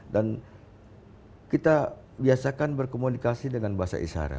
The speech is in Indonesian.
dan kita biasakan berkomunikasi dengan bahasa isyarat